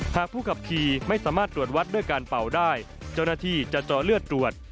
หากผู้ขับขี่ไม่สามารถตรวจวัดด้วยการเป่าได้เจ้าหน้าที่จะเจาะเลือดตรวจ